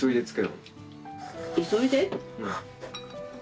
急いで？